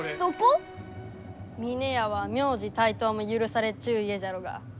峰屋は名字帯刀も許されちゅう家じゃろうが。